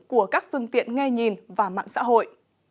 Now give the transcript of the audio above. của các phương tiện nghe nhìn và mạng xã hội